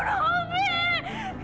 jangan bunuh opi